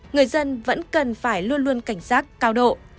người dân vẫn cần phải luôn luôn cảnh giác cao độ